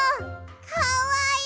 かわいい！